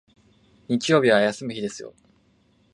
日曜日は休む日ですよ